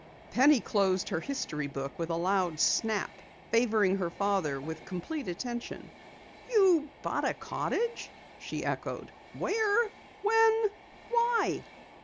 Penny closed her history book with a loud snap, favoring her father with complete attention. "You bought a cottage?" she echoed. "Where? When? Why?"